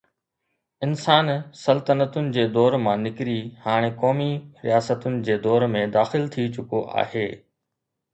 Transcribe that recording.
انسان سلطنتن جي دور مان نڪري هاڻي قومي رياستن جي دور ۾ داخل ٿي چڪو آهي.